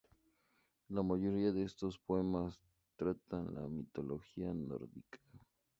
La mayoría de estos poemas tratan la mitología nórdica.